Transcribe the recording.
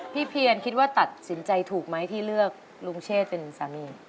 เพียรคิดว่าตัดสินใจถูกไหมที่เลือกลุงเชษเป็นสามี